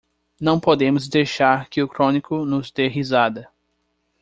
Não podemos deixar que o Chronicle nos dê risada!